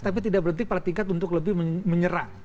tapi tidak berhenti pada tingkat untuk lebih menyerang